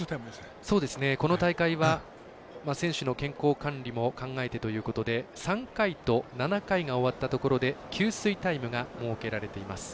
この大会は、選手の健康管理も考えてということで３回と７回が終わったところで給水タイムが設けられています。